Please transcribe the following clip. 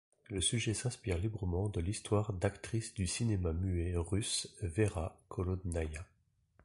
Le sujet s’inspire librement de l’histoire d'actrice du cinéma muet russe Vera Kholodnaïa.